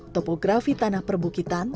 topografi tanah perbukitan